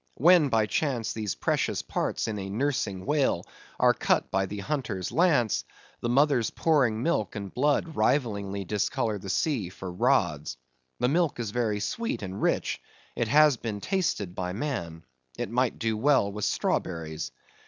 When by chance these precious parts in a nursing whale are cut by the hunter's lance, the mother's pouring milk and blood rivallingly discolour the sea for rods. The milk is very sweet and rich; it has been tasted by man; it might do well with strawberries.